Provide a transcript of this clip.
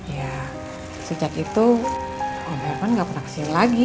ya sejak itu om herman nggak pernah kesini lagi